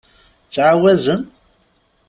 Ttɛawazen?